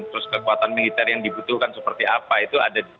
terus kekuatan militer yang dibutuhkan seperti apa itu ada